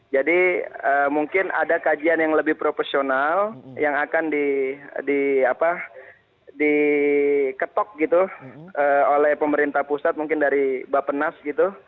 jadi mungkin ada kajian yang lebih profesional yang akan diketok gitu oleh pemerintah pusat mungkin dari bapak penas gitu